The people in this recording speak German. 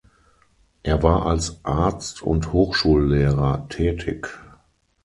Er war als Arzt und Hochschullehrer tätig.